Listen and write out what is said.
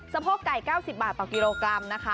โพกไก่๙๐บาทต่อกิโลกรัมนะคะ